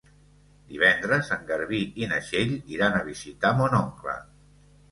Divendres en Garbí i na Txell iran a visitar mon oncle.